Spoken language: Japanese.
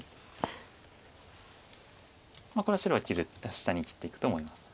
これは白は下に切っていくと思います。